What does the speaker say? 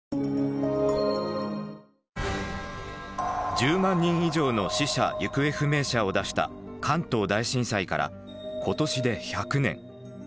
１０万人以上の死者・行方不明者を出した関東大震災から今年で１００年。